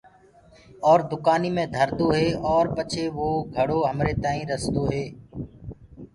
اور دُڪآني مي ڌردو هي ارو پچي وو گھڙو همري تآئينٚ رسدو هي۔